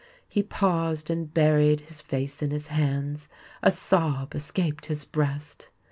He paused, and buried his face in his hands. A sob escaped his breast.